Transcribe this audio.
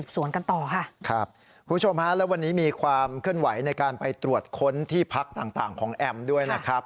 คุณผู้ชมฮะแล้ววันนี้มีความเคลื่อนไหวในการไปตรวจค้นที่พักต่างของแอมด้วยนะครับ